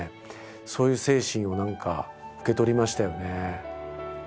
そういう精神を何か受け取りましたよね。